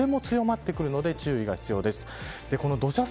この後、風も強まってくるので注意が必要です。